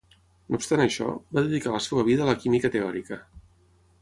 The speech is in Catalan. No obstant això, va dedicar la seva vida a la química teòrica.